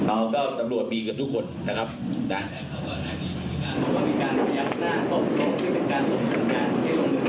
อ่าก็ตำลวดมีเกือบทุกคนนะครับนะครับ